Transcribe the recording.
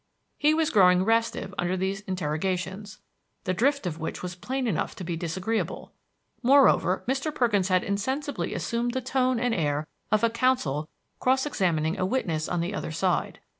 He was growing restive under these interrogations, the drift of which was plain enough to be disagreeable. Moreover, Mr. Perkins had insensibly assumed the tone and air of a counsel cross examining a witness on the other side.